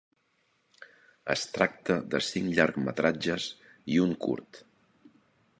Es tracta de cinc llargmetratges i un curt.